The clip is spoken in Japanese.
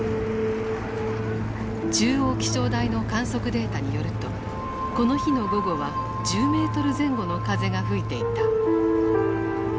中央気象台の観測データによるとこの日の午後は１０ｍ前後の風が吹いていた。